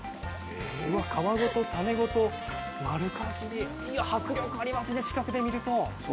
皮ごと、種ごと、丸かじり、迫力ありますね、近くで見ると。